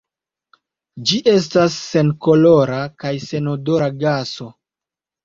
Ĝi estas senkolora kaj senodora gaso.